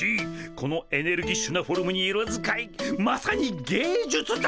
このエネルギッシュなフォルムに色使いまさに芸術だ！